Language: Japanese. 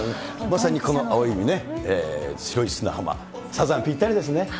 まさにこの青い海ね、白い砂浜、サザン、ぴったりですね。